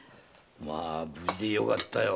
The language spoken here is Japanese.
無事でよかったよ。